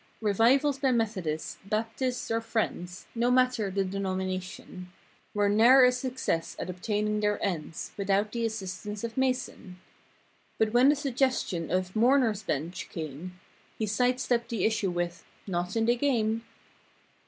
Revivals by Methodists, Baptists or Friends— No matter the denomination. Were ne'er a success at obtaining their ends Without the assistance of Mason. But when the suggestion of "mourner's bench" came. He side stepped the issue with—"Not in the game."